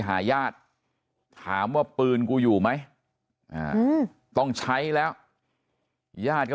หาญาติถามว่าปืนกูอยู่ไหมต้องใช้แล้วญาติก็